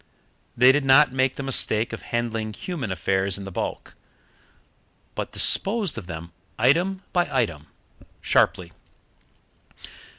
They did not make the mistake of handling human affairs in the bulk, but disposed of them item by item, sharply.